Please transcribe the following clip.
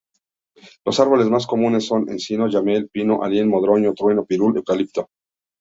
Los árboles más comunes son: encino, oyamel, pino, aile, madroño, trueno, pirul, eucalipto.